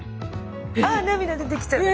あ涙出てきちゃった。